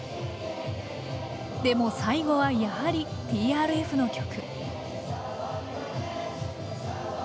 でも最後はやはりＴＲＦの曲。